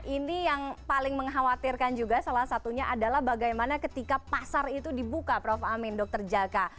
ini yang paling mengkhawatirkan juga salah satunya adalah bagaimana ketika pasar itu dibuka prof amin dr jaka